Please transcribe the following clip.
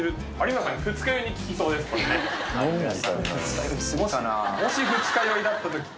もし二日酔いだった時。